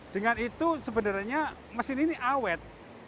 dengan itu sebenarnya mesin ini awet